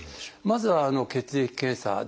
まずは血液検査ですね。